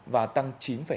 và tăng chín hai